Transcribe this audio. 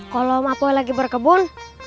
kalo om apoi lagi berkebun